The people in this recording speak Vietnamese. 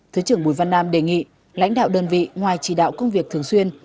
thứ trưởng bùi văn nam đề nghị lãnh đạo đơn vị ngoài chỉ đạo công việc thường xuyên